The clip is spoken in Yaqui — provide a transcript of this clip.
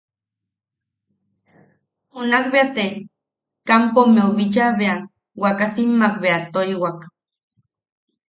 Junak bea te kampommeu bicha bea wakasimmak bea toiwak.